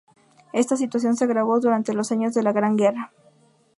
Esta situación se agravó durante los años de la Gran Guerra.